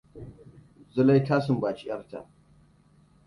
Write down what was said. Zulai ta sumbaci yar ta.